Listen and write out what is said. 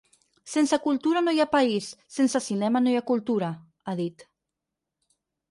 Sense cultura no hi ha país, sense cinema no hi ha cultura, ha dit.